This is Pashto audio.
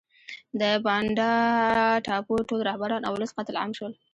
د بانډا ټاپو ټول رهبران او ولس قتل عام شول.